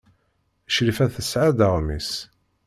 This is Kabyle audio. Crifa tesɣa-d aɣmis.